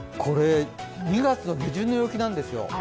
２月下旬の陽気なんですよ。